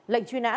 lệnh truy nã